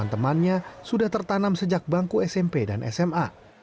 teman temannya sudah tertanam sejak bangku smp dan sma